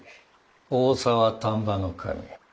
大沢丹波守